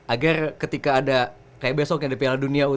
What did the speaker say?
agar ketika ada kayak besok yang ada piala dunia u tujuh belas